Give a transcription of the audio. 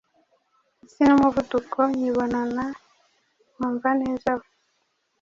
Isi n’umuvuduko nyibonana, Mwumvaneza we!